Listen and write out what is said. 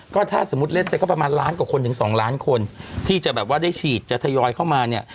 ก็ถ้าสมมุติเล่นเสร็จก็ประมาณล้านกว่าคนถึงสองล้านคนที่จะแบบว่าได้ฉีดจะทยอยเข้ามาเนี่ย